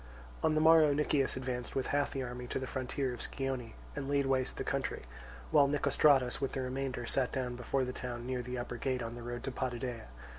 On the morrow Nicias advanced with half the army to the frontier of Scione and laid waste the country; while Nicostratus with the remainder sat down before the town near the upper gate on the road to Potidæa.